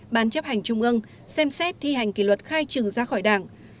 ban chấp hành trung ương xem xét thi hành kỷ luật khai trừ ra khỏi đảng